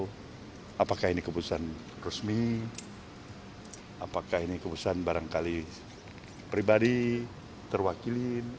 kita tidak tahu apakah ini keputusan resmi apakah ini keputusan barangkali pribadi terwakilin